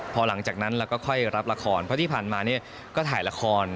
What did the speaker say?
พอหลังจากนั้นเราก็ค่อยรับละครเพราะที่ผ่านมาเนี่ยก็ถ่ายละคร